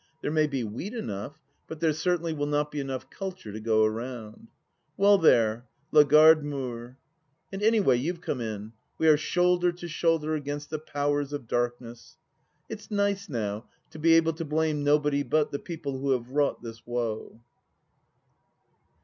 There may be wheat enough, but there certainly will not be enough culture to go round I Well, there : La Garde Meurt. ... And any way, you've come in. We are shoulder to shoulder against the powers of darkness. It's nice, now, to be able to blame nobody but the people who have wrought this woe.